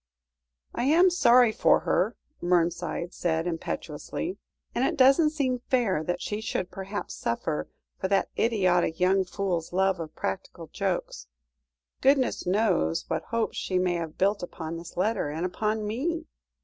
"I am sorry for her," Mernside said impetuously, "and it doesn't seem fair that she should perhaps suffer for that idiotic young fool's love of practical jokes. Goodness knows what hopes she may have built upon this letter, and upon me.